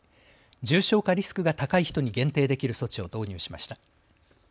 重症化リスクが高い人に限定できる措置を導入しました。